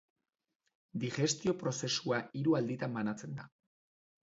Digestio-prozesua hiru alditan banatzen da.